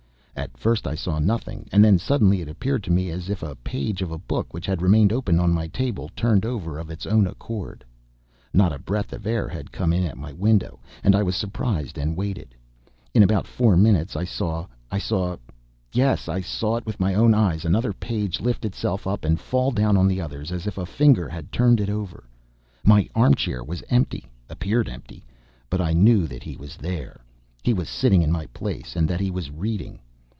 At first I saw nothing, and then suddenly it appeared to me as if a page of a book which had remained open on my table, turned over of its own accord. Not a breath of air had come in at my window, and I was surprised and waited. In about four minutes, I saw, I saw, yes I saw with my own eyes another page lift itself up and fall down on the others, as if a finger had turned it over. My armchair was empty, appeared empty, but I knew that he was there, he, and sitting in my place, and that he was reading.